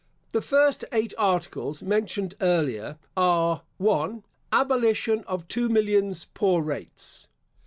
The first eight articles, mentioned earlier, are; 1. Abolition of two millions poor rates.